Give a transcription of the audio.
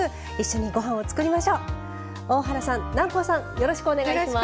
よろしくお願いします。